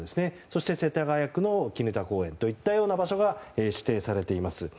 そして、世田谷区の砧公園といった場所が指定されています。